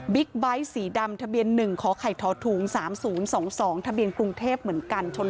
ไบท์สีดำทะเบียน๑ขอไข่ท้อถุง๓๐๒๒ทะเบียนกรุงเทพเหมือนกันชน